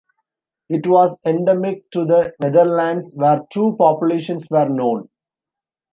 It was endemic to the Netherlands, where two populations were known.